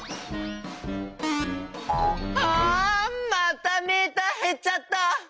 あまたメーターへっちゃった！